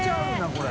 これ。